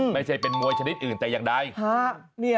ไม่ใช่เป็นมวยชนิดอื่นแต่อย่างใด